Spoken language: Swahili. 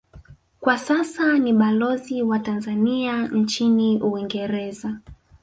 Kwa sasa ni balozi wa Tanzania nchini Uingereza